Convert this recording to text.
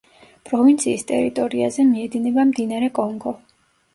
პროვინციის ტერიტორიაზე მიედინება მდინარე კონგო.